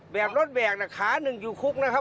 แบบรถแบกขาหนึ่งอยู่คุก